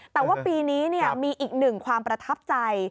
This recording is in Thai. แต่ว่าปีนี้มีอีกหนึ่งความประทับใจ